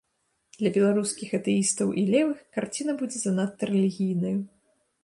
Для беларускіх атэістаў і левых карціна будзе занадта рэлігійнаю.